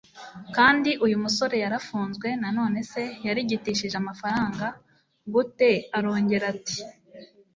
kandi uyu musore yarafunzwe none se yarigitishije amafaranga gute arongera ati